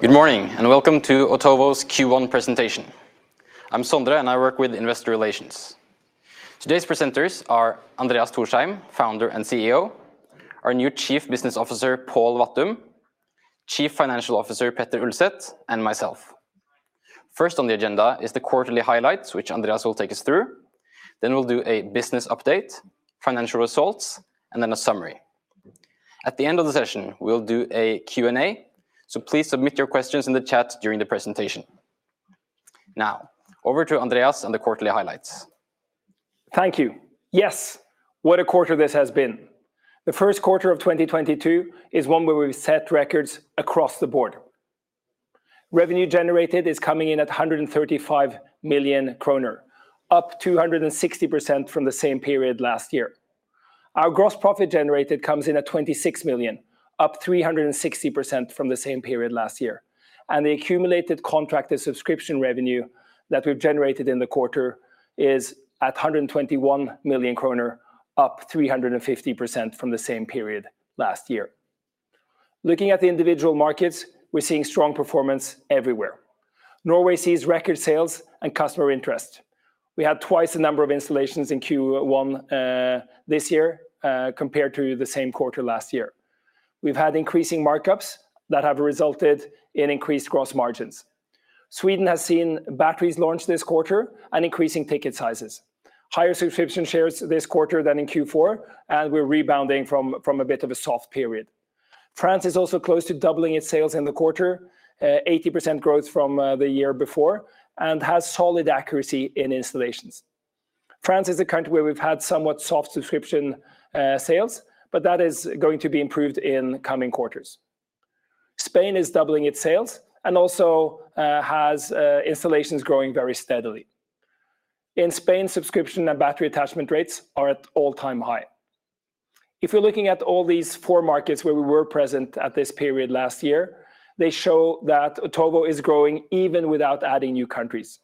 Good morning, and welcome to Otovo's Q1 presentation. I'm Sondre, and I work with investor relations. Today's presenters are Andreas Thorsheim, Founder and CEO, our new Chief Business Officer, Pål Hauff Hvattum, Chief Financial Officer, Petter Ulset, and myself. First on the agenda is the quarterly highlights, which Andreas will take us through. Then we'll do a business update, financial results, and then a summary. At the end of the session, we'll do a Q&A, so please submit your questions in the chat during the presentation. Now, over to Andreas and the quarterly highlights. Thank you. Yes, what a quarter this has been. The first quarter of 2022 is one where we've set records across the board. Revenue generated is coming in at 135 million kroner, up 260% from the same period last year. Our gross profit generated comes in at 26 million, up 360% from the same period last year. The accumulated contracted subscription revenue that we've generated in the quarter is at 121 million kroner, up 350% from the same period last year. Looking at the individual markets, we're seeing strong performance everywhere. Norway sees record sales and customer interest. We had twice the number of installations in Q1 this year compared to the same quarter last year. We've had increasing markups that have resulted in increased gross margins. Sweden has seen batteries launch this quarter and increasing ticket sizes. Higher subscription shares this quarter than in Q4, and we're rebounding from a bit of a soft period. France is also close to doubling its sales in the quarter, 80% growth from the year before, and has solid accuracy in installations. France is a country where we've had somewhat soft subscription sales, but that is going to be improved in coming quarters. Spain is doubling its sales and also has installations growing very steadily. In Spain, subscription and battery attachment rates are at all-time high. If you're looking at all these four markets where we were present at this period last year, they show that Otovo is growing even without adding new countries.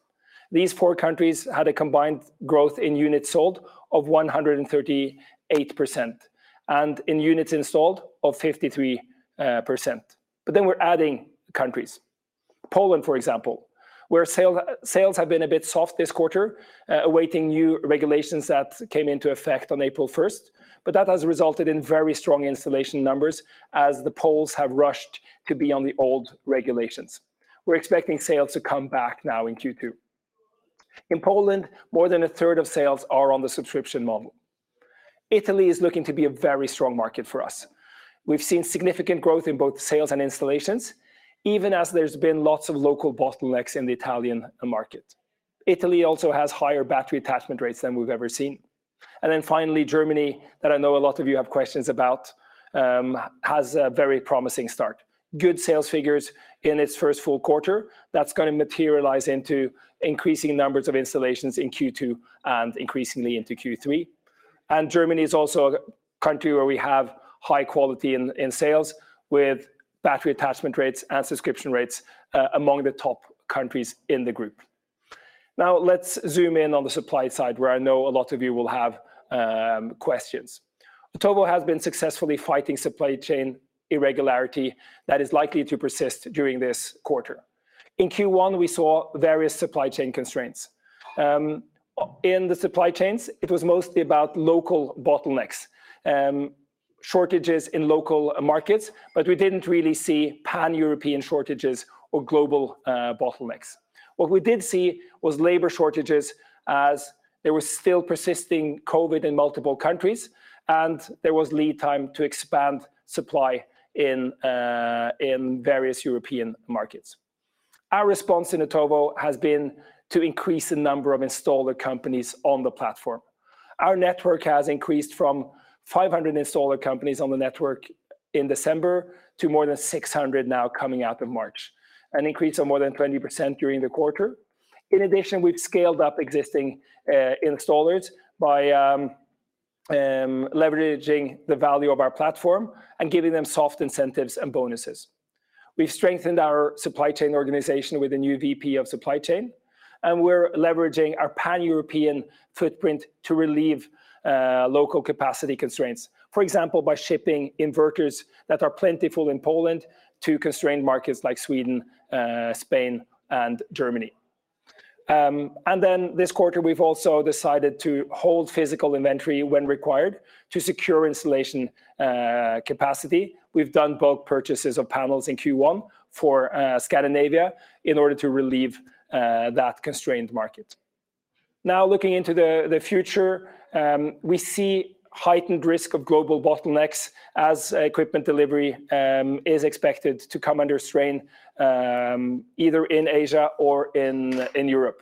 These four countries had a combined growth in units sold of 138%, and in units installed of 53%. We're adding countries. Poland, for example, where sales have been a bit soft this quarter, awaiting new regulations that came into effect on April first, but that has resulted in very strong installation numbers as the Poles have rushed to be on the old regulations. We're expecting sales to come back now in Q2. In Poland, more than a third of sales are on the subscription model. Italy is looking to be a very strong market for us. We've seen significant growth in both sales and installations, even as there's been lots of local bottlenecks in the Italian market. Italy also has higher battery attachment rates than we've ever seen. Finally, Germany, that I know a lot of you have questions about, has a very promising start. Good sales figures in its first full quarter. That's gonna materialize into increasing numbers of installations in Q2 and increasingly into Q3. Germany is also a country where we have high quality in sales with battery attachment rates and subscription rates among the top countries in the group. Now, let's zoom in on the supply side, where I know a lot of you will have questions. Otovo has been successfully fighting supply chain irregularity that is likely to persist during this quarter. In Q1, we saw various supply chain constraints. In the supply chains, it was mostly about local bottlenecks, shortages in local markets, but we didn't really see pan-European shortages or global bottlenecks. What we did see was labor shortages as there was still persisting COVID in multiple countries, and there was lead time to expand supply in various European markets. Our response in Otovo has been to increase the number of installer companies on the platform. Our network has increased from 500 installer companies on the network in December to more than 600 now coming out of March, an increase of more than 20% during the quarter. In addition, we've scaled up existing installers by leveraging the value of our platform and giving them soft incentives and bonuses. We've strengthened our supply chain organization with a new VP of Supply Chain, and we're leveraging our pan-European footprint to relieve local capacity constraints. For example, by shipping inverters that are plentiful in Poland to constrained markets like Sweden, Spain, and Germany. This quarter, we've also decided to hold physical inventory when required to secure installation capacity. We've done bulk purchases of panels in Q1 for Scandinavia in order to relieve that constrained market. Now, looking into the future, we see heightened risk of global bottlenecks as equipment delivery is expected to come under strain either in Asia or in Europe.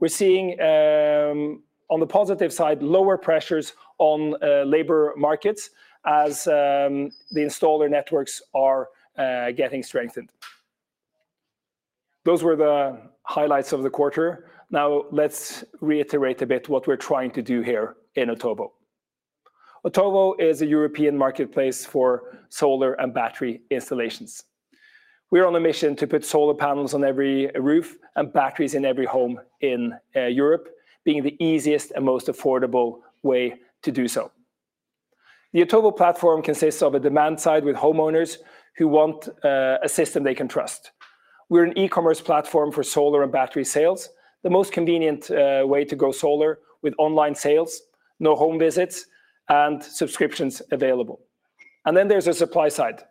We're seeing on the positive side, lower pressures on labor markets as the installer networks are getting strengthened. Those were the highlights of the quarter. Now, let's reiterate a bit what we're trying to do here in Otovo. Otovo is a European marketplace for solar and battery installations. We're on a mission to put solar panels on every roof and batteries in every home in Europe, being the easiest and most affordable way to do so. The Otovo platform consists of a demand side with homeowners who want a system they can trust. We're an e-commerce platform for solar and battery sales, the most convenient way to go solar with online sales, no home visits, and subscriptions available. There's a supply side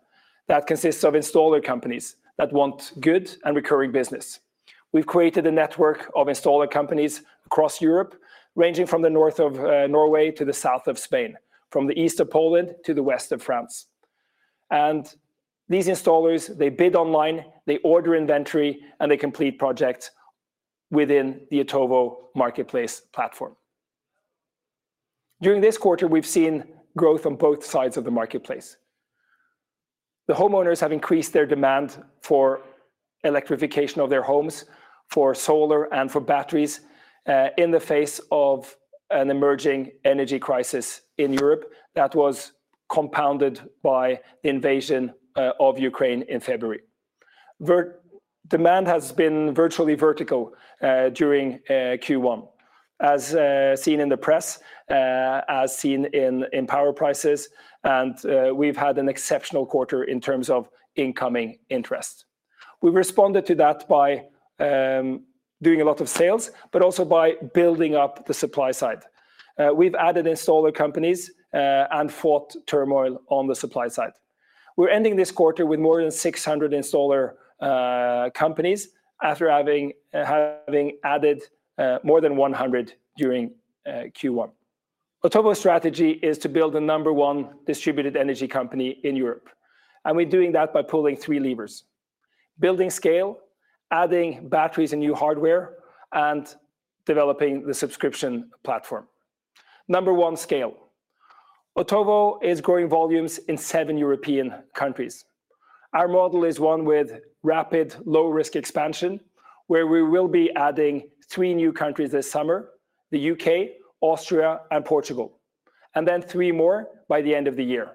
that consists of installer companies that want good and recurring business. We've created a network of installer companies across Europe, ranging from the north of Norway to the south of Spain, from the east of Poland to the west of France. These installers, they bid online, they order inventory, and they complete projects within the Otovo marketplace platform. During this quarter, we've seen growth on both sides of the marketplace. The homeowners have increased their demand for electrification of their homes for solar and for batteries in the face of an emerging energy crisis in Europe that was compounded by the invasion of Ukraine in February. Demand has been virtually vertical during Q1, as seen in the press, as seen in power prices, and we've had an exceptional quarter in terms of incoming interest. We responded to that by doing a lot of sales, but also by building up the supply side. We've added installer companies and fought turmoil on the supply side. We're ending this quarter with more than 600 installer companies after having added more than 100 during Q1. Otovo's strategy is to build the number-one distributed energy company in Europe, and we're doing that by pulling three levers, building scale, adding batteries and new hardware, and developing the subscription platform. Number one, scale. Otovo is growing volumes in seven European countries. Our model is one with rapid low-risk expansion, where we will be adding three new countries this summer, the U.K., Austria, and Portugal, and then three more by the end of the year.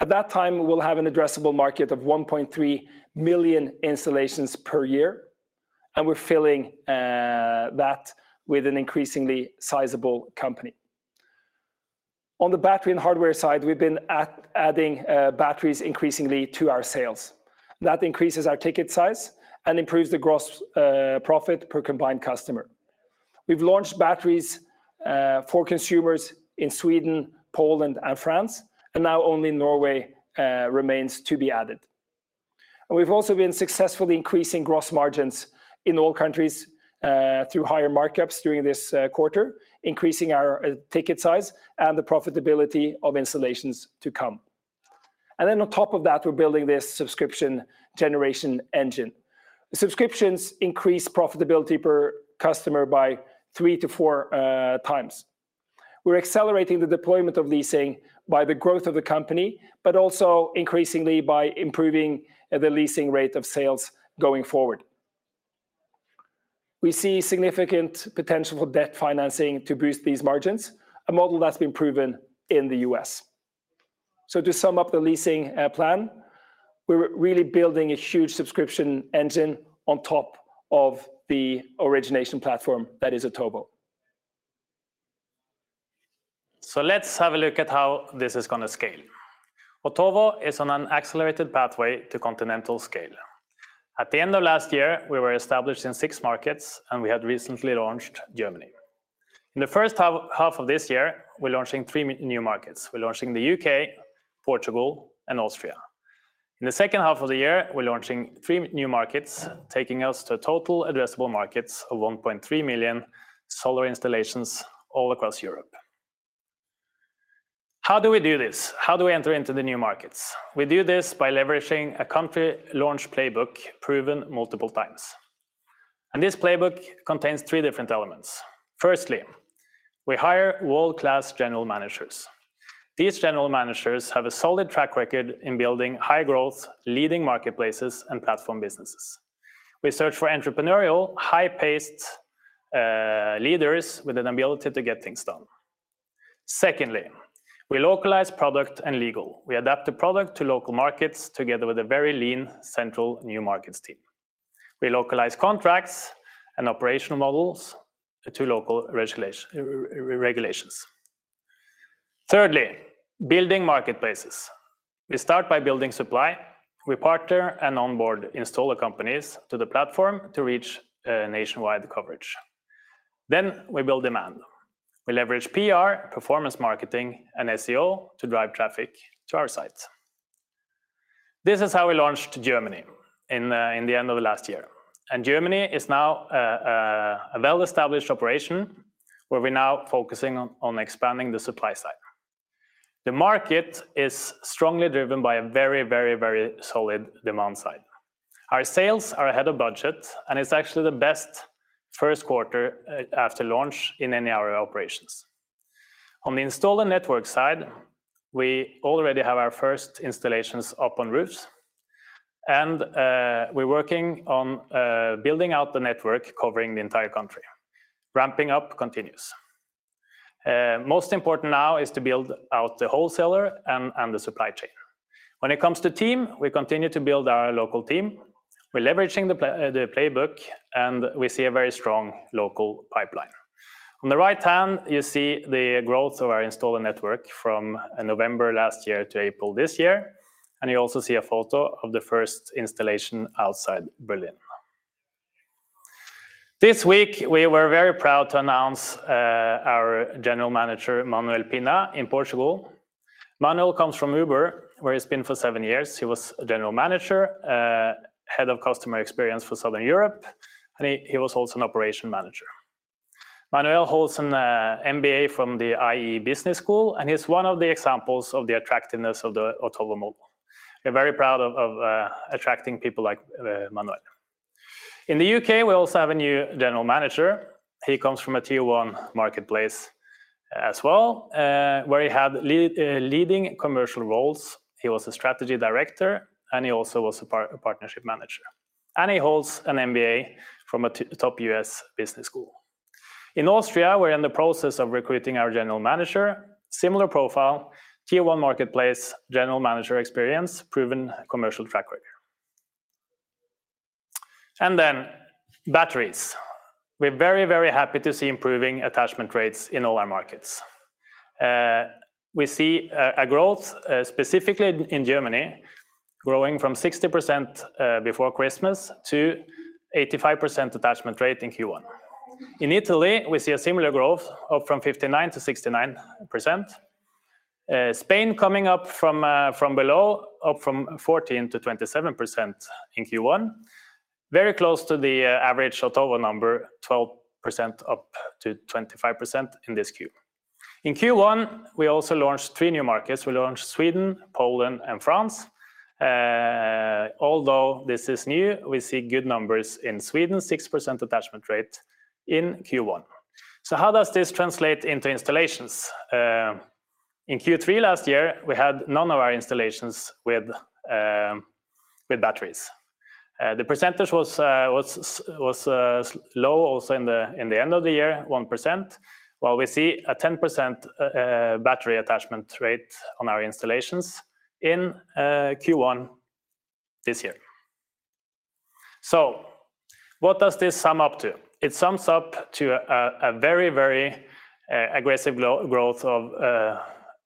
At that time, we'll have an addressable market of 1.3 million installations per year, and we're filling that with an increasingly sizable company. On the battery and hardware side, we've been adding batteries increasingly to our sales. That increases our ticket size and improves the gross profit per combined customer. We've launched batteries for consumers in Sweden, Poland, and France, and now only Norway remains to be added. We've also been successfully increasing gross margins in all countries through higher markups during this quarter, increasing our ticket size and the profitability of installations to come. On top of that, we're building this subscription generation engine. Subscriptions increase profitability per customer by 3x-4x. We're accelerating the deployment of leasing by the growth of the company, but also increasingly by improving the leasing rate of sales going forward. We see significant potential for debt financing to boost these margins, a model that's been proven in the US. To sum up the leasing plan, we're really building a huge subscription engine on top of the origination platform that is Otovo. Let's have a look at how this is gonna scale. Otovo is on an accelerated pathway to continental scale. At the end of last year, we were established in six markets, and we had recently launched Germany. In the first half of this year, we're launching three new markets. We're launching the UK, Portugal, and Austria. In the second half of the year, we're launching three new markets, taking us to total addressable markets of 1.3 million solar installations all across Europe. How do we do this? How do we enter into the new markets? We do this by leveraging a country launch playbook proven multiple times. This playbook contains three different elements. Firstly, we hire world-class general managers. These general managers have a solid track record in building high-growth, leading marketplaces and platform businesses. We search for entrepreneurial, high-paced, leaders with an ability to get things done. Secondly, we localize product and legal. We adapt the product to local markets together with a very lean central new markets team. We localize contracts and operational models to local regulations. Thirdly, building marketplaces. We start by building supply. We partner and onboard installer companies to the platform to reach, nationwide coverage. Then we build demand. We leverage PR, performance marketing, and SEO to drive traffic to our sites. This is how we launched Germany in the end of last year. Germany is now a well-established operation where we're now focusing on expanding the supply side. The market is strongly driven by a very solid demand side. Our sales are ahead of budget, and it's actually the best first quarter after launch in any of our operations. On the installer network side, we already have our first installations up on roofs, and we're working on building out the network covering the entire country. Ramping up continues. Most important now is to build out the wholesaler and the supply chain. When it comes to team, we continue to build our local team. We're leveraging the playbook, and we see a very strong local pipeline. On the right hand, you see the growth of our installer network from November last year to April this year, and you also see a photo of the first installation outside Berlin. This week, we were very proud to announce our General Manager, Manuel Pina, in Portugal. Manuel comes from Uber, where he's been for seven years. He was a general manager, a head of customer experience for Southern Europe, and he was also an operations manager. Manuel holds an MBA from the IE Business School, and he's one of the examples of the attractiveness of the Otovo model. We're very proud of attracting people like Manuel. In the U.K., we also have a new general manager. He comes from a tier-one marketplace as well, where he had leading commercial roles. He was a strategy director, and he also was a partnership manager. He holds an MBA from a top U.S. business school. In Austria, we're in the process of recruiting our general manager, similar profile, tier-one marketplace, general manager experience, proven commercial track record. Batteries. We're very, very happy to see improving attachment rates in all our markets. We see growth, specifically in Germany, growing from 60% before Christmas to 85% attachment rate in Q1. In Italy, we see a similar growth up from 59% to 69%. Spain coming up from 14% to 27% in Q1. Very close to the average Otovo number, 12% up to 25% in this Q. In Q1, we also launched three new markets. We launched Sweden, Poland, and France. Although this is new, we see good numbers in Sweden, 6% attachment rate in Q1. How does this translate into installations? In Q3 last year, we had none of our installations with batteries. The percentage was low also in the end of the year, 1%, while we see a 10% battery attachment rate on our installations in Q1 this year. What does this sum up to? It sums up to a very aggressive growth of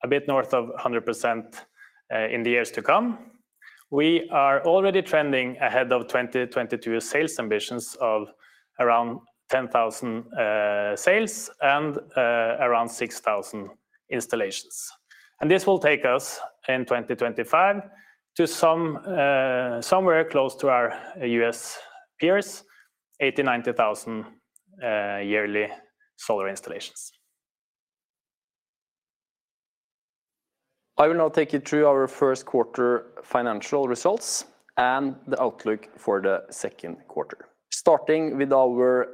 a bit north of 100% in the years to come. We are already trending ahead of 2022 sales ambitions of around 10,000 sales and around 6,000 installations. This will take us in 2025 to somewhere close to our U.S. peers, 80,000-90,000 yearly solar installations. I will now take you through our first quarter financial results and the outlook for the second quarter. Starting with our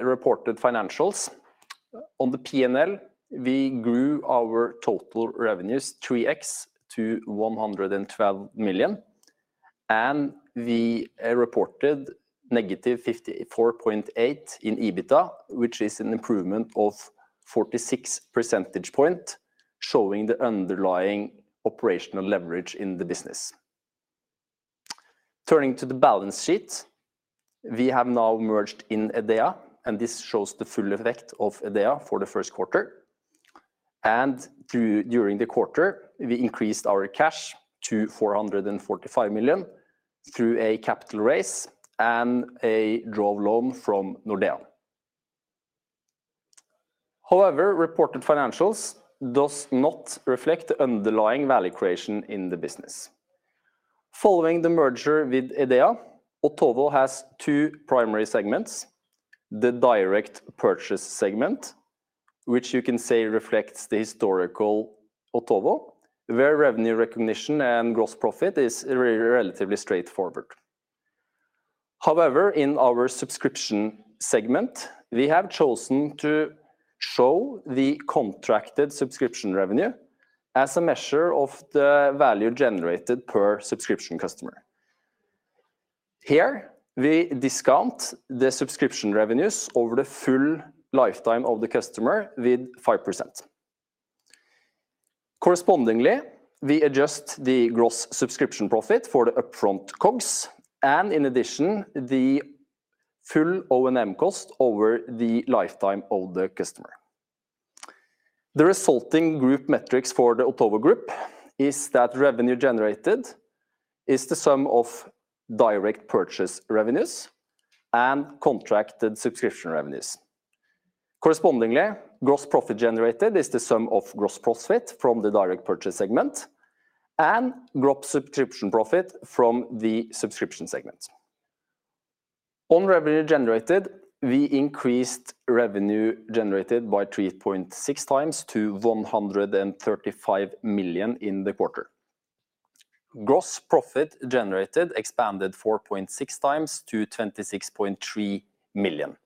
reported financials. On the P&L, we grew our total revenues 3x to 112 million, and we reported -54.8 in EBITDA, which is an improvement of 46 percentage points, showing the underlying operational leverage in the business. Turning to the balance sheet, we have now merged in EDEA, and this shows the full effect of EDEA for the first quarter. During the quarter, we increased our cash to 445 million through a capital raise and a drawn loan from Nordea. However, reported financials does not reflect the underlying value creation in the business. Following the merger with EDEA, Otovo has two primary segments, the direct purchase segment, which you can say reflects the historical Otovo, where revenue recognition and gross profit is relatively straightforward. However, in our subscription segment, we have chosen to show the contracted subscription revenue as a measure of the value generated per subscription customer. Here, we discount the subscription revenues over the full lifetime of the customer with 5%. Correspondingly, we adjust the gross subscription profit for the upfront COGS and in addition, the full O&M cost over the lifetime of the customer. The resulting group metrics for the Otovo Group is that revenue generated is the sum of direct purchase revenues and contracted subscription revenues. Correspondingly, gross profit generated is the sum of gross profit from the direct purchase segment and gross subscription profit from the subscription segment. On revenue generated, we increased revenue generated by 3.6x to 135 million in the quarter. Gross profit generated expanded 4.6x to 26.3 million.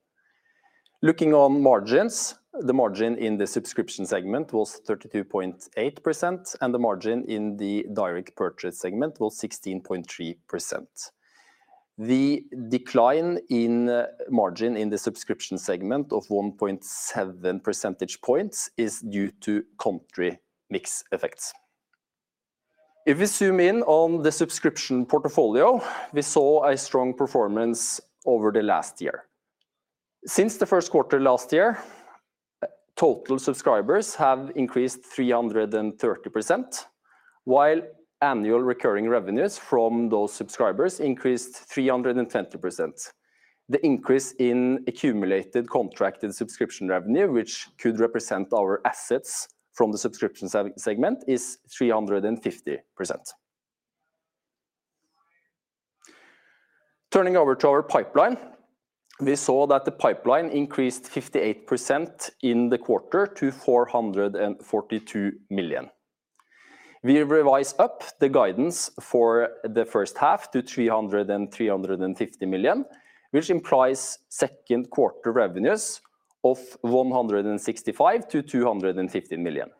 Looking at margins, the margin in the subscription segment was 32.8%, and the margin in the direct purchase segment was 16.3%. The decline in margin in the subscription segment of 1.7 percentage points is due to country mix effects. If we zoom in on the subscription portfolio, we saw a strong performance over the last year. Since the first quarter last year, total subscribers have increased 330%, while annual recurring revenues from those subscribers increased 320%. The increase in accumulated contracted subscription revenue, which could represent our assets from the subscription segment, is 350%. Turning over to our pipeline, we saw that the pipeline increased 58% in the quarter to 442 million. We revise up the guidance for the first half to 300 million-350 million, which implies second quarter revenues of 165 million-250 million.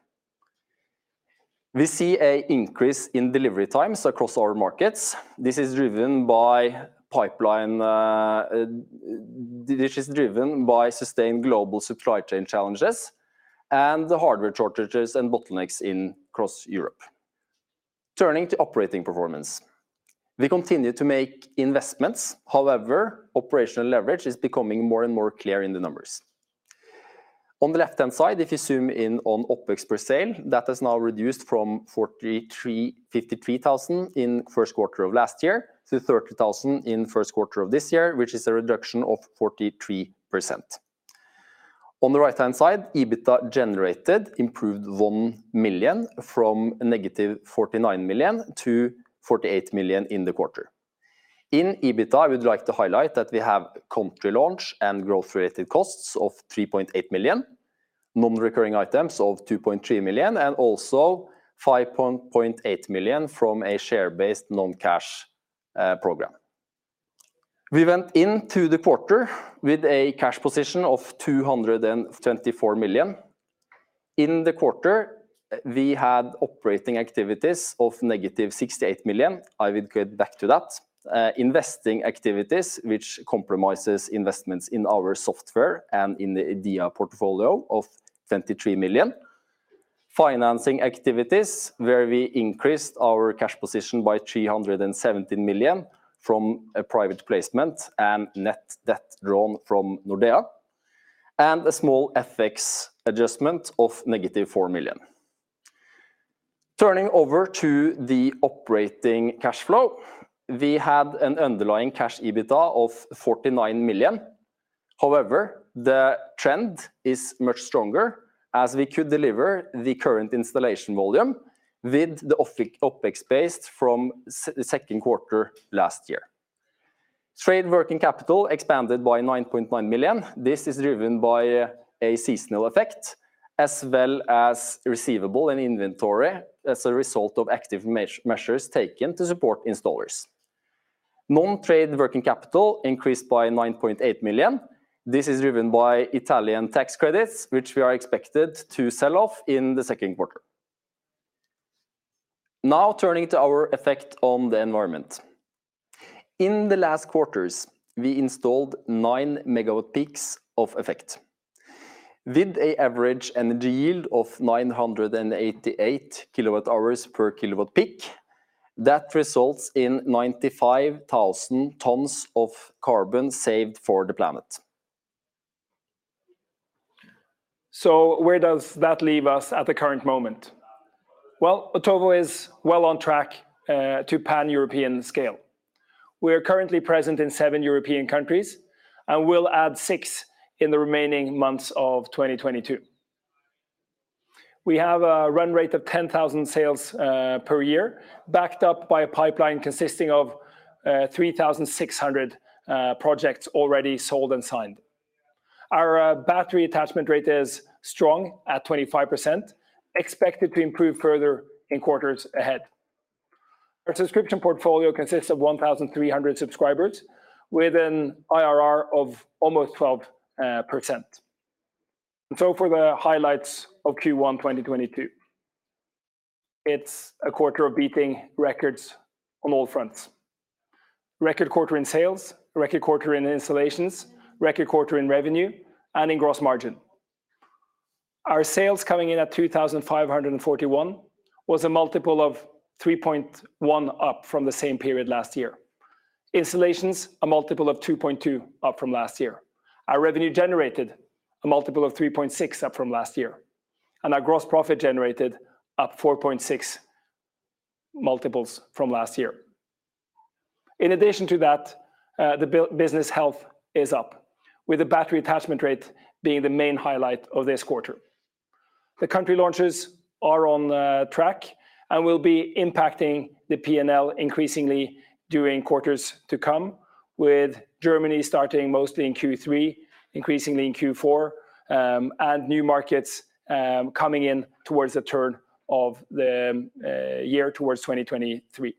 We see an increase in delivery times across our markets. This is driven by sustained global supply chain challenges and the hardware shortages and bottlenecks across Europe. Turning to operating performance, we continue to make investments. However, operational leverage is becoming more and more clear in the numbers. On the left-hand side, if you zoom in on OpEx per sale, that has now reduced from 43. 53,000 in first quarter of last year to 30,000 in first quarter of this year, which is a reduction of 43%. On the right-hand side, EBITDA generated improved 1 million from -49 million to -48 million in the quarter. In EBITDA, I would like to highlight that we have country launch and growth-related costs of 3.8 million, non-recurring items of 2.3 million, and also 5.8 million from a share-based non-cash program. We went into the quarter with a cash position of 224 million. In the quarter, we had operating activities of -68 million. I will get back to that. Investing activities, which comprises investments in our software and in the EDEA portfolio of 23 million. Financing activities, where we increased our cash position by 370 million from a private placement and net debt drawn from Nordea. A small FX adjustment of -4 million. Turning over to the operating cash flow, we had an underlying cash EBITDA of 49 million. However, the trend is much stronger as we could deliver the current installation volume with the OpEx based from second quarter last year. Trade working capital expanded by 9.9 million. This is driven by a seasonal effect as well as receivable and inventory as a result of active measures taken to support installers. Non-trade working capital increased by 9.8 million. This is driven by Italian tax credits, which we are expected to sell off in the second quarter. Turning to our effect on the environment. In the last quarters, we installed nine megawatt peaks of effect. With an average energy yield of 988 kWh/kWp, that results in 95,000 tons of carbon saved for the planet. Where does that leave us at the current moment? Well, Otovo is well on track to pan-European scale. We are currently present in seven European countries, and we'll add six in the remaining months of 2022. We have a run rate of 10,000 sales per year, backed up by a pipeline consisting of 3,600 projects already sold and signed. Our battery attachment rate is strong at 25%, expected to improve further in quarters ahead. Our subscription portfolio consists of 1,300 subscribers with an IRR of almost 12%. For the highlights of Q1 2022, it's a quarter of beating records on all fronts. Record quarter in sales, record quarter in installations, record quarter in revenue, and in gross margin. Our sales coming in at 2,541 was a multiple of 3.1x up from the same period last year. Installations, a multipleof 2.2x up from last year. Our revenue generated, a multiple of 3.6x up from last year. Our gross profit generated up 4.6x from last year. In addition to that, the business health is up, with the battery attachment rate being the main highlight of this quarter. The country launches are on track and will be impacting the P&L increasingly during quarters to come, with Germany starting mostly in Q3, increasingly in Q4, and new markets coming in towards the turn of the year towards 2023.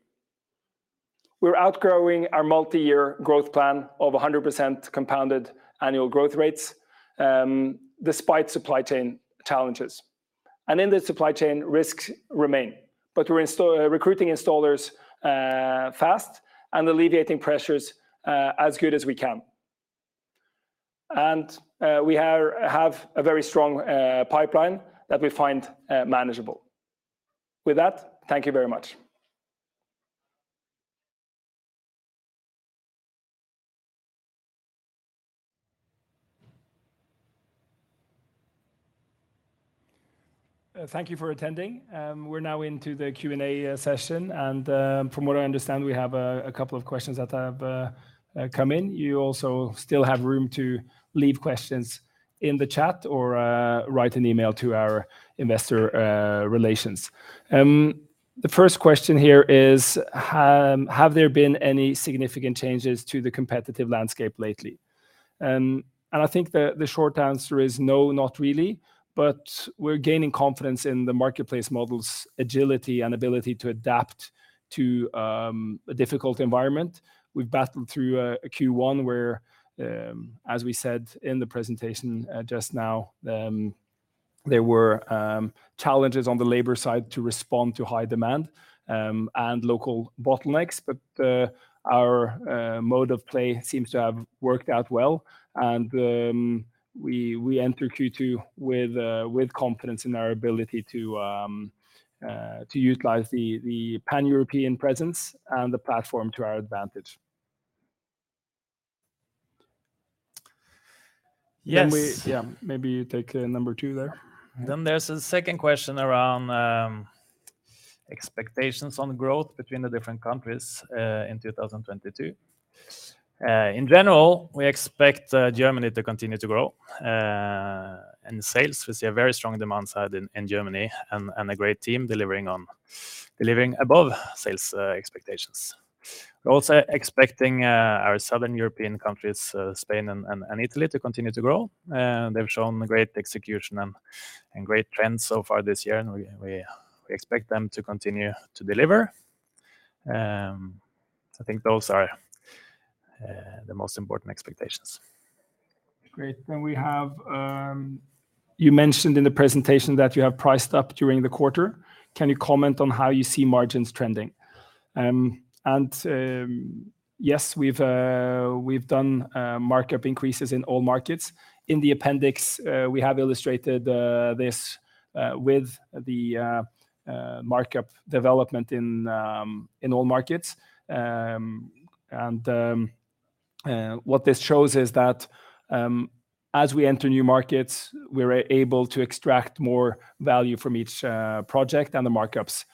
We're outgrowing our multiyear growth plan of 100% compounded annual growth rates, despite supply chain challenges. In the supply chain, risks remain. We're recruiting installers fast and alleviating pressures as good as we can. We have a very strong pipeline that we find manageable. With that, thank you very much. Thank you for attending. We're now into the Q&A session. From what I understand, we have a couple of questions that have come in. You also still have room to leave questions in the chat or write an email to our investor relations. The first question here is: Have there been any significant changes to the competitive landscape lately? I think the short answer is no, not really, but we're gaining confidence in the marketplace model's agility and ability to adapt to a difficult environment. We've battled through a Q1 where, as we said in the presentation just now, there were challenges on the labor side to respond to high demand and local bottlenecks. Our mode of play seems to have worked out well and we enter Q2 with confidence in our ability to utilize the Pan-European presence and the platform to our advantage. Yes. Yeah. Maybe you take number two there. There's a second question around expectations on growth between the different countries in 2022. In general, we expect Germany to continue to grow in sales. We see a very strong demand side in Germany and a great team delivering above sales expectations. We're also expecting our southern European countries, Spain and Italy, to continue to grow. They've shown great execution and great trends so far this year, and we expect them to continue to deliver. I think those are the most important expectations. Great. We have: You mentioned in the presentation that you have priced up during the quarter. Can you comment on how you see margins trending? Yes, we've done markup increases in all markets. In the appendix, we have illustrated this with the markup development in all markets. What this shows is that, as we enter new markets, we're able to extract more value from each project and the markups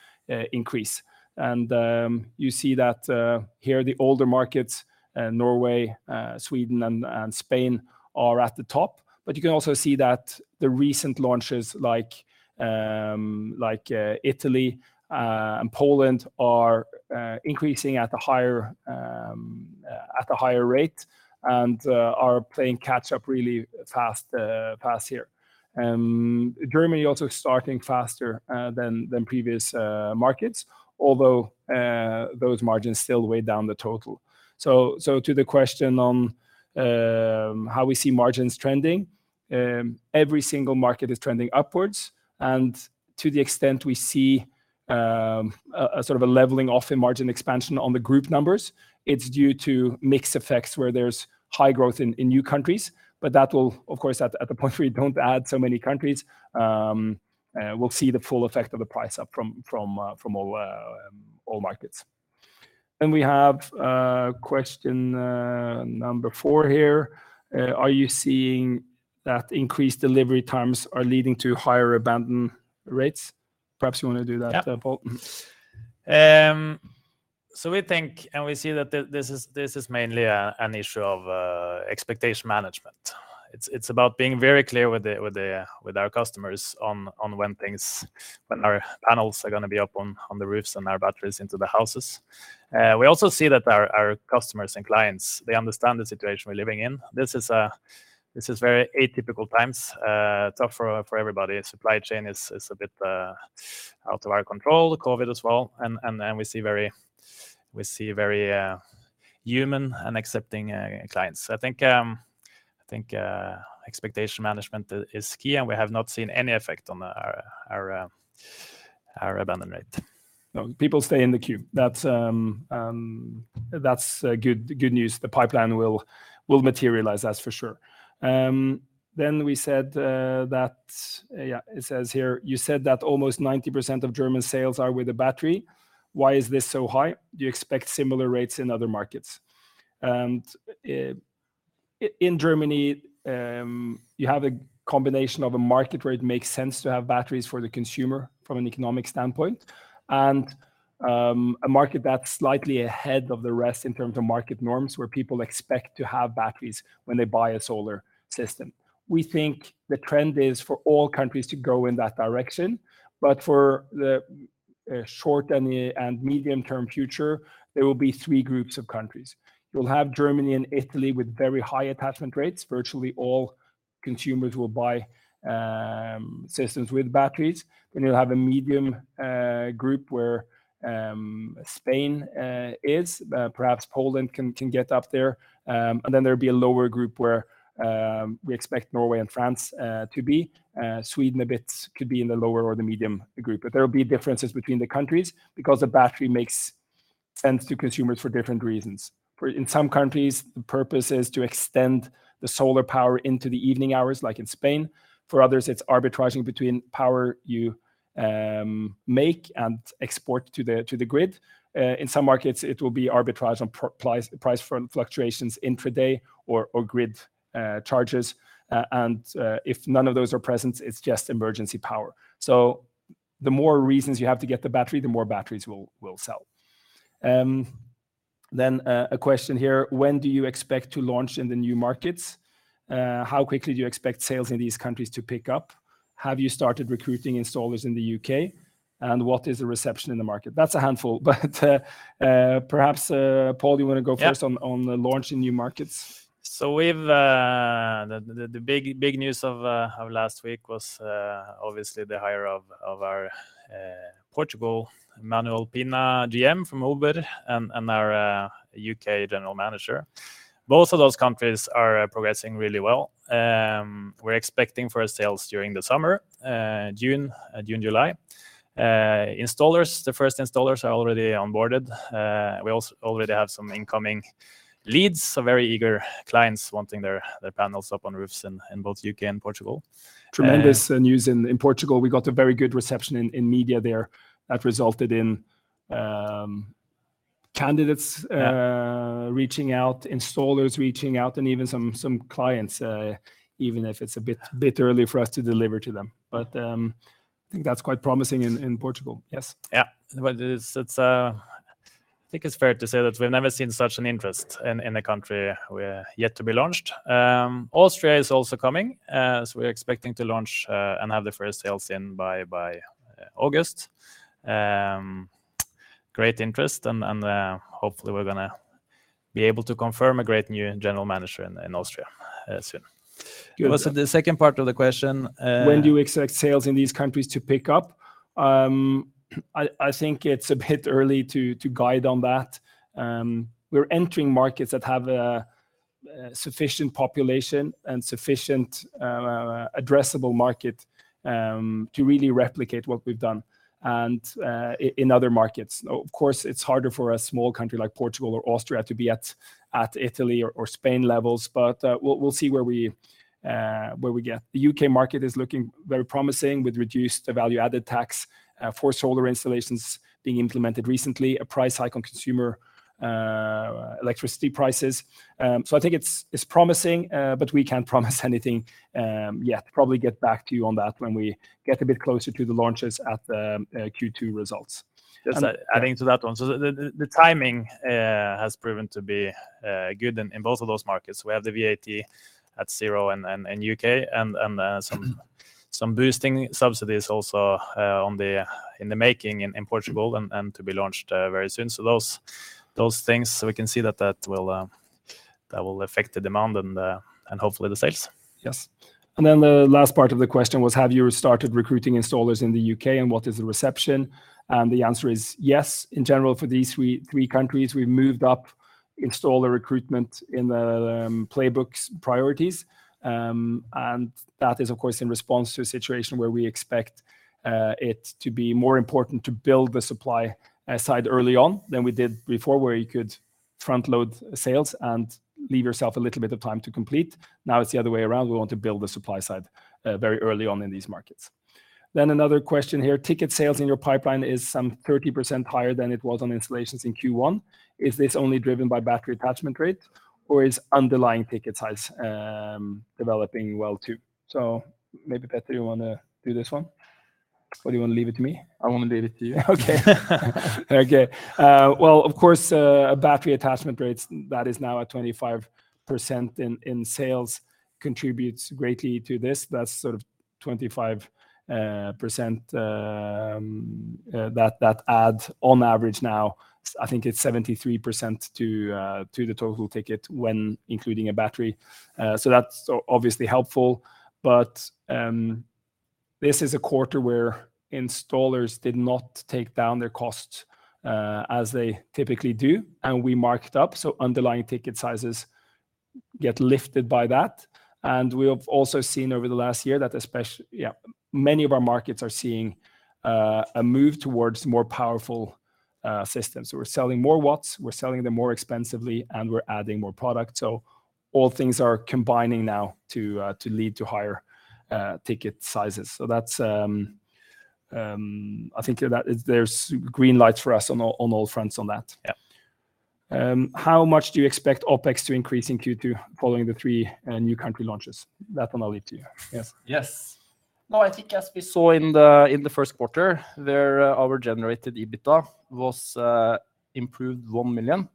increase. You see that here the older markets, Norway, Sweden and Spain are at the top. You can also see that the recent launches like Italy and Poland are increasing at a higher rate and are playing catch up really fast here. Germany also starting faster than previous markets, although those margins still weigh down the total. To the question on how we see margins trending, every single market is trending upwards. To the extent we see a sort of leveling off in margin expansion on the group numbers, it's due to mix effects where there's high growth in new countries. Of course, at the point we don't add so many countries, we'll see the full effect of the price up from all markets. We have question number four here: Are you seeing that increased delivery times are leading to higher abandon rates? Perhaps you wanna do that. Yeah Pål. We think and we see that this is mainly an issue of expectation management. It's about being very clear with our customers on when our panels are gonna be up on the roofs and our batteries into the houses. We also see that our customers and clients, they understand the situation we're living in. This is very atypical times, tough for everybody. Supply chain is a bit out of our control. COVID as well. We see very human and accepting clients. I think expectation management is key, and we have not seen any effect on our abandon rate. No. People stay in the queue. That's good news. The pipeline will materialize. That's for sure. It says here: You said that almost 90% of German sales are with a battery. Why is this so high? Do you expect similar rates in other markets? In Germany, you have a combination of a market where it makes sense to have batteries for the consumer from an economic standpoint and a market that's slightly ahead of the rest in terms of market norms, where people expect to have batteries when they buy a solar system. We think the trend is for all countries to go in that direction. For the short and medium-term future, there will be three groups of countries. You'll have Germany and Italy with very high attachment rates. Virtually all consumers will buy systems with batteries. You'll have a medium group where Spain is. Perhaps Poland can get up there. There'll be a lower group where we expect Norway and France to be. Sweden a bit could be in the lower or the medium group. There will be differences between the countries because a battery makes sense to consumers for different reasons. For in some countries, the purpose is to extend the solar power into the evening hours, like in Spain. For others, it's arbitraging between power you make and export to the grid. In some markets it will be arbitrage on price fluctuations intraday or grid charges. If none of those are present, it's just emergency power. The more reasons you have to get the battery, the more batteries we'll sell. A question here. When do you expect to launch in the new markets? How quickly do you expect sales in these countries to pick up? Have you started recruiting installers in the UK, and what is the reception in the market? That's a handful, but perhaps, Pål, you wanna go first. Yeah on the launch in new markets. The big news of last week was obviously the hire of our Portugal GM Manuel Pina from Uber and our U.K. general manager. Both of those countries are progressing really well. We're expecting first sales during the summer, June, July. The first installers are already onboarded. We already have some incoming leads, so very eager clients wanting their panels up on roofs in both U.K. and Portugal. Tremendous news in Portugal. We got a very good reception in media there that resulted in candidates. Yeah Reaching out, installers reaching out, and even some clients, even if it's a bit early for us to deliver to them. I think that's quite promising in Portugal. Yes. Yeah. Well, it is. It's I think it's fair to say that we've never seen such an interest in a country we're yet to be launched. Austria is also coming, so we're expecting to launch and have the first sales in by August. Great interest and hopefully we're gonna be able to confirm a great new general manager in Austria soon. Good. What was the second part of the question? When do you expect sales in these countries to pick up? I think it's a bit early to guide on that. We're entering markets that have a sufficient population and sufficient addressable market to really replicate what we've done and in other markets. Of course, it's harder for a small country like Portugal or Austria to be at Italy or Spain levels, but we'll see where we get. The U.K. market is looking very promising with reduced value added tax for solar installations being implemented recently, a price hike on consumer electricity prices. I think it's promising, but we can't promise anything yet. Probably get back to you on that when we get a bit closer to the launches at the Q2 results. Adding to that one. The timing has proven to be good in both of those markets. We have the VAT at zero in the U.K. and some boosting subsidies also in the making in Portugal and to be launched very soon. Those things we can see that will affect the demand and hopefully the sales. Yes. The last part of the question was have you started recruiting installers in the U.K., and what is the reception? The answer is yes. In general, for these three countries, we've moved up installer recruitment in the playbooks priorities, and that is of course in response to a situation where we expect it to be more important to build the supply side early on than we did before where you could front-load sales and leave yourself a little bit of time to complete. Now it's the other way around. We want to build the supply side very early on in these markets. Another question here. Ticket sales in your pipeline is some 30% higher than it was on installations in Q1. Is this only driven by battery attachment rate or is underlying ticket size developing well too? Maybe, Petter, you wanna do this one? Or do you wanna leave it to me? I wanna leave it to you. Well, of course, battery attachment rates that is now at 25% in sales contributes greatly to this. That's sort of 25% that adds on average now. I think it's 73% to the total ticket when including a battery. So that's obviously helpful, but this is a quarter where installers did not take down their costs as they typically do, and we marked up so underlying ticket sizes get lifted by that. We have also seen over the last year that especially many of our markets are seeing a move towards more powerful systems. We're selling more watts, we're selling them more expensively, and we're adding more product. All things are combining now to lead to higher ticket sizes. That's. I think that there's green lights for us on all fronts on that. Yeah. How much do you expect OpEx to increase in Q2 following the three new country launches? That one I'll leave to you. Yes. No, I think as we saw in the first quarter, our generated EBITDA was improved 1 million,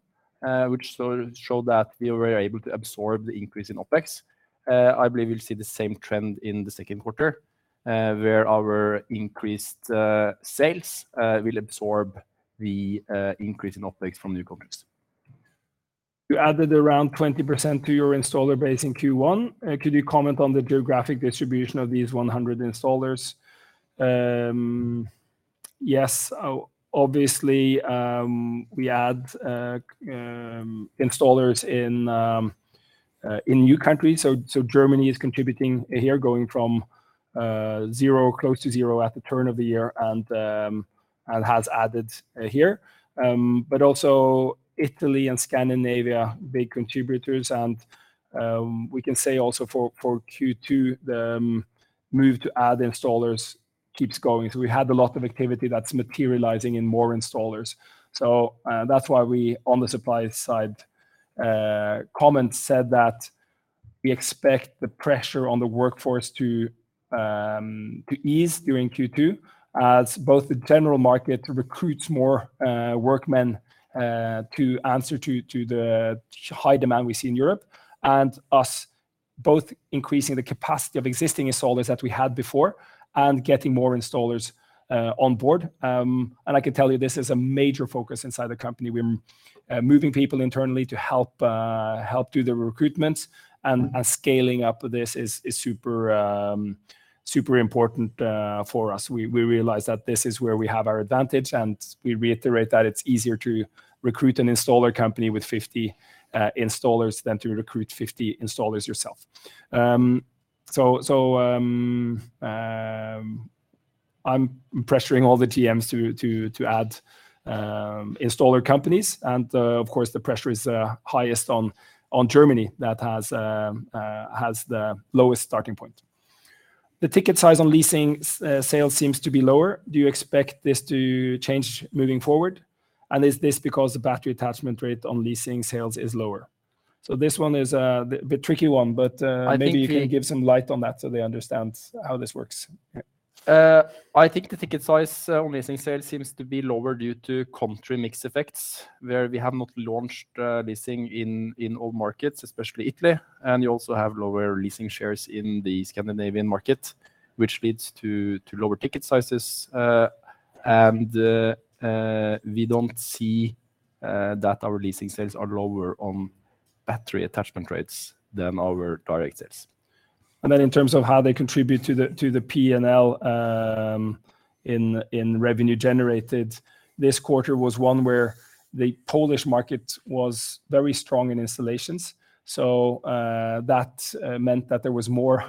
which showed that we were able to absorb the increase in OpEx. I believe you'll see the same trend in the second quarter, where our increased sales will absorb the increase in OpEx from new countries. You added around 20% to your installer base in Q1. Could you comment on the geographic distribution of these 100 installers? Yes. Obviously, we add installers in new countries. Germany is contributing here, going from zero, close to zero at the turn of the year and has added here. But also Italy and Scandinavia, big contributors and we can say also for Q2 the move to add installers keeps going. We had a lot of activity that's materializing in more installers. That's why we, on the supply side, commented that we expect the pressure on the workforce to ease during Q2 as both the general market recruits more workmen to answer the high demand we see in Europe and us both increasing the capacity of existing installers that we had before and getting more installers on board. I can tell you this is a major focus inside the company. We're moving people internally to help do the recruitments and scaling up. This is super important for us. We realize that this is where we have our advantage, and we reiterate that it's easier to recruit an installer company with 50 installers than to recruit 50 installers yourself. I'm pressuring all the GMs to add installer companies and, of course, the pressure is highest on Germany that has the lowest starting point. The ticket size on leasing sales seems to be lower. Do you expect this to change moving forward? And is this because the battery attachment rate on leasing sales is lower? This one is a bit tricky one, but. I think we- Maybe you can shed some light on that, so they understand how this works. Yeah. I think the ticket size on leasing sales seems to be lower due to country mix effects where we have not launched leasing in all markets, especially Italy, and you also have lower leasing shares in the Scandinavian market, which leads to lower ticket sizes. We don't see that our leasing sales are lower on battery attachment rates than our direct sales. In terms of how they contribute to the P&L in revenue generated. This quarter was one where the Polish market was very strong in installations. That meant that there was more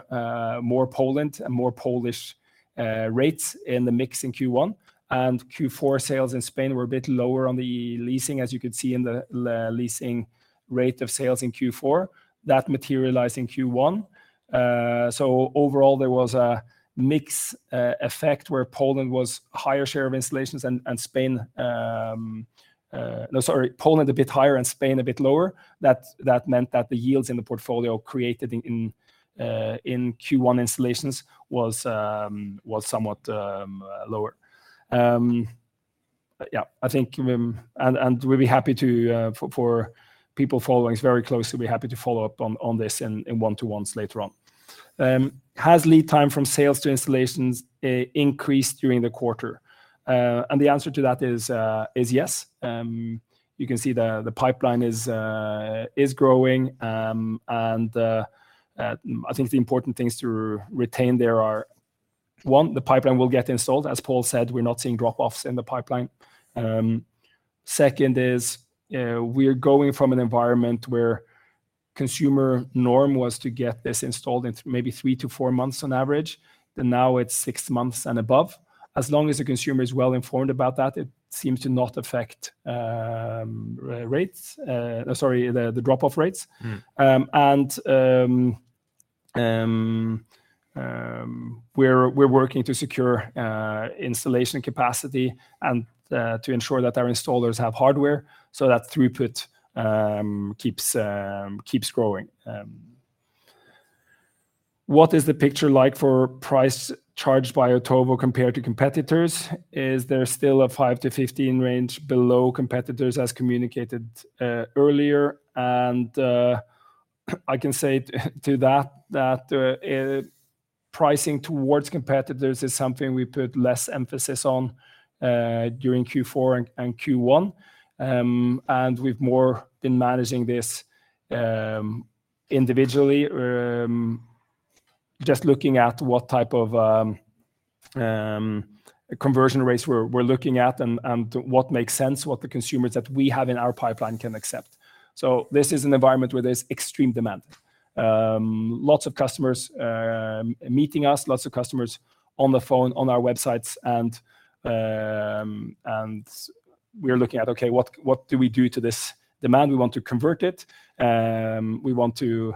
Poland and more Polish rates in the mix in Q1. Q4 sales in Spain were a bit lower on the leasing, as you could see in the leasing rate of sales in Q4. That materialized in Q1. Overall, there was a mix effect where Poland was higher share of installations and Spain. No sorry, Poland a bit higher and Spain a bit lower. That meant that the yields in the portfolio created in Q1 installations was somewhat lower. Yeah, I think we'll be happy to, for people following this very closely, be happy to follow up on this in one-to-ones later on. Has lead time from sales to installations increased during the quarter? The answer to that is yes. You can see the pipeline is growing. I think the important things to retain there are, one, the pipeline will get installed. As Pål said, we're not seeing drop-offs in the pipeline. Second is, we're going from an environment where consumer norm was to get this installed in maybe three to four months on average, and now it's six months and above. As long as the consumer is well informed about that, it seems to not affect rates, sorry, the drop-off rates. Mm. We're working to secure installation capacity and to ensure that our installers have hardware so that throughput keeps growing. What is the picture like for price charged by Otovo compared to competitors? Is there still a 5%-15% range below competitors as communicated earlier? I can say to that, pricing toward competitors is something we put less emphasis on during Q4 and Q1. We've more been managing this individually, just looking at what type of conversion rates we're looking at and what makes sense, what the consumers that we have in our pipeline can accept. This is an environment where there's extreme demand. Lots of customers meeting us, lots of customers on the phone, on our websites, and we're looking at, okay, what do we do to this demand? We want to convert it. We want to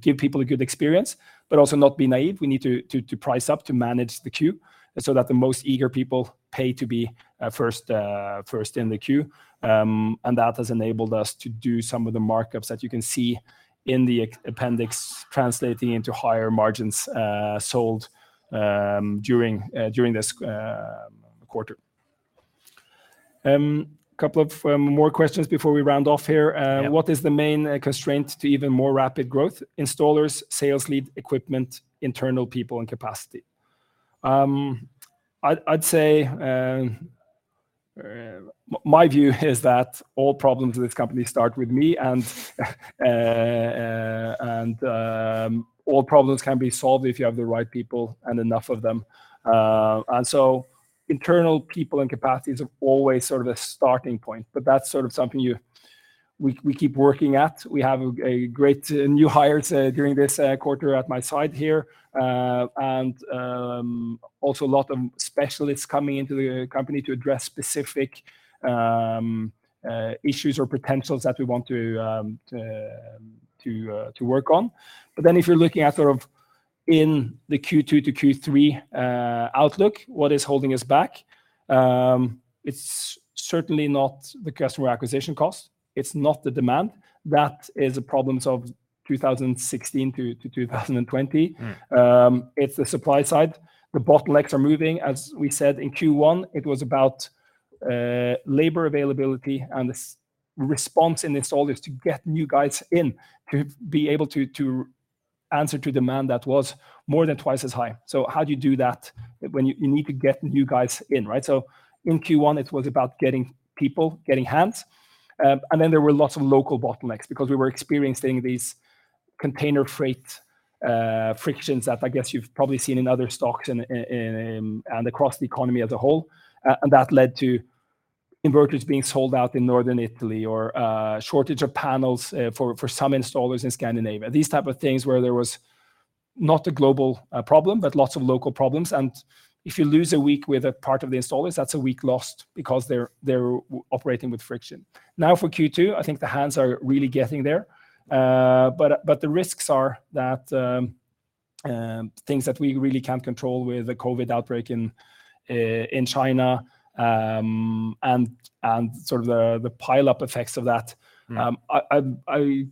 give people a good experience, but also not be naive. We need to price up to manage the queue so that the most eager people pay to be first in the queue. That has enabled us to do some of the markups that you can see in the appendix translating into higher margins sold during this quarter. Couple of more questions before we round off here. Yeah. What is the main constraint to even more rapid growth? Installers, sales lead, equipment, internal people and capacity? I'd say, my view is that all problems with this company start with me and all problems can be solved if you have the right people and enough of them. Internal people and capacities are always sort of a starting point, but that's sort of something we keep working at. We have a great new hires during this quarter at my side here. Also a lot of specialists coming into the company to address specific issues or potentials that we want to work on. If you're looking at sort of in the Q2 to Q3 outlook, what is holding us back, it's certainly not the customer acquisition cost. It's not the demand. That is a problem solved 2016 to 2020. Mm. It's the supply side. The bottlenecks are moving. As we said in Q1, it was about labor availability and the response in installers to get new guys in to be able to answer to demand that was more than twice as high. How do you do that when you need to get new guys in, right? In Q1, it was about getting people, getting hands. And then there were lots of local bottlenecks because we were experiencing these container freight frictions that I guess you've probably seen in other stocks and in and across the economy as a whole. And that led to inverters being sold out in Northern Italy or shortage of panels for some installers in Scandinavia. These type of things where there was not a global problem, but lots of local problems. If you lose a week with a part of the installers, that's a week lost because they're operating with friction. Now, for Q2, I think the hands are really getting there. The risks are that things that we really can't control with the COVID outbreak in China and sort of the pileup effects of that. Mm. I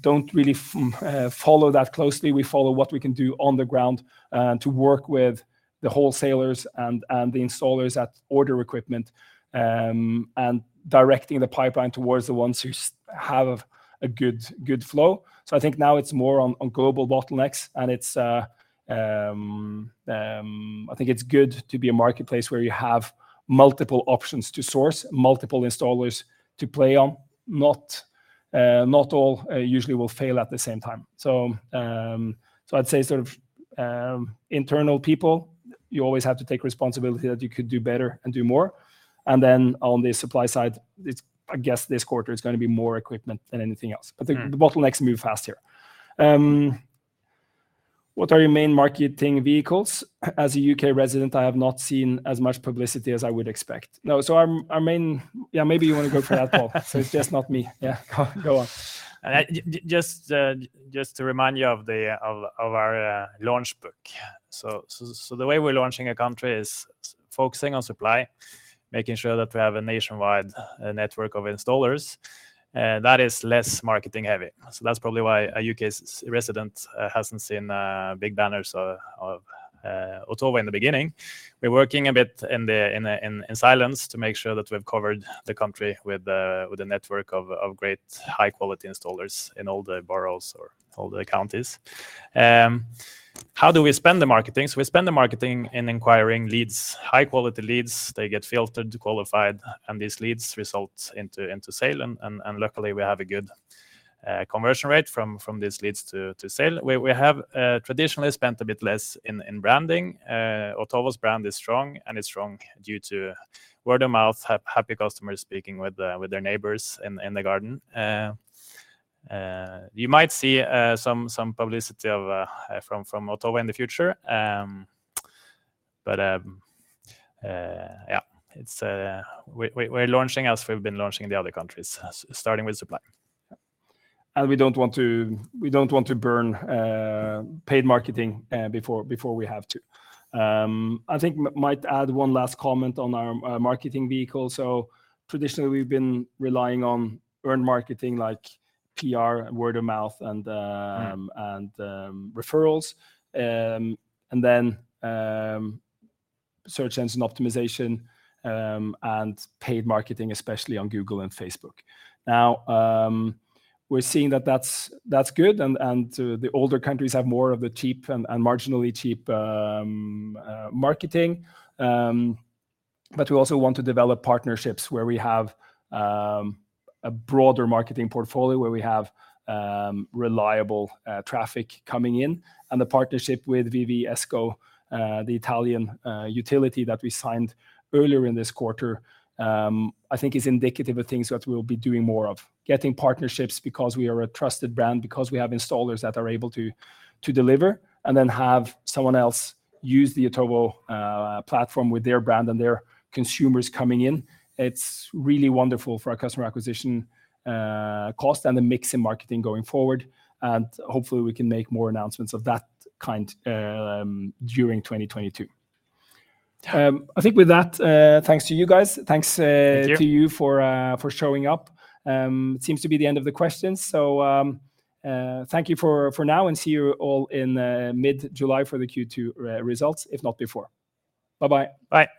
don't really follow that closely. We follow what we can do on the ground to work with the wholesalers and the installers that order equipment and directing the pipeline towards the ones who have a good flow. I think now it's more on global bottlenecks, and it's good to be a marketplace where you have multiple options to source, multiple installers to play on. Not all usually will fail at the same time. I'd say sort of internal people, you always have to take responsibility that you could do better and do more. Then on the supply side, it's I guess this quarter it's gonna be more equipment than anything else. Mm. The bottlenecks move fast here. What are your main marketing vehicles? As a U.K. resident, I have not seen as much publicity as I would expect. No, so our main. Yeah, maybe you wanna go for that, Pål. It's just not me. Yeah. Go on. Just to remind you of our launch book. The way we're launching a country is focusing on supply, making sure that we have a nationwide network of installers that is less marketing-heavy. That's probably why a U.K. resident hasn't seen big banners of Otovo in the beginning. We're working a bit in silence to make sure that we've covered the country with a network of great high-quality installers in all the boroughs or all the counties. How do we spend the marketing? We spend the marketing in acquiring leads, high-quality leads. They get filtered, qualified, and these leads result into sales. Luckily, we have a good conversion rate from these leads to sales. We have traditionally spent a bit less in branding. Otovo's brand is strong, and it's strong due to word of mouth, happy customers speaking with their neighbors in the garden. You might see some publicity from Otovo in the future. We're launching as we've been launching in the other countries, starting with supply. Yeah. We don't want to burn paid marketing before we have to. I think might add one last comment on our marketing vehicle. Traditionally, we've been relying on earned marketing like PR, word of mouth, and Right Referrals, and then search engine optimization, and paid marketing, especially on Google and Facebook. Now, we're seeing that that's good and the older countries have more of the cheap and marginally cheap marketing. We also want to develop partnerships where we have a broader marketing portfolio, where we have reliable traffic coming in. The partnership with EVESCO, the Italian utility that we signed earlier in this quarter, I think is indicative of things that we'll be doing more of. Getting partnerships because we are a trusted brand, because we have installers that are able to deliver, and then have someone else use the Otovo platform with their brand and their consumers coming in. It's really wonderful for our customer acquisition cost and the mix in marketing going forward. Hopefully, we can make more announcements of that kind during 2022. I think with that, thanks to you guys. Thanks. Thank you. Thank you for showing up. Seems to be the end of the questions. Thank you for now, and see you all in mid-July for the Q2 results, if not before. Bye-bye. Bye.